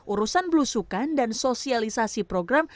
urusan belusukan dan sosialisasi program